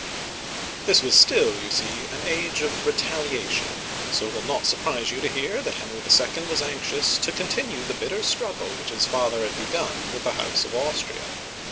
'* This was still, you see, an age of retaliation, so it will not surprise you to hear that Henry II. was anxious to con tinue the bitter struggle which his father had begun with the House of Austria.